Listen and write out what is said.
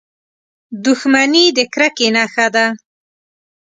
• دښمني د کرکې نښه ده.